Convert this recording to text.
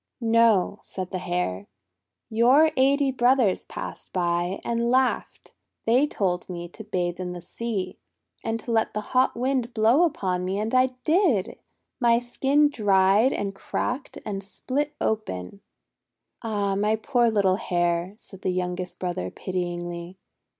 "No," said the Hare. :Your eighty brothers passed by, and laughed. They told me to bathe in the sea, and to let the hot Wind blow upon me, THE TIGER AND THE MAN 183 and I did. My skin dried, and cracked, and split open." "Ah, my poor little Hare!'* said the youngest brother pityingly.